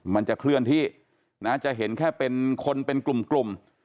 มันจะเคลื่อนที่นะจะเห็นแค่เป็นคนเป็นกลุ่ม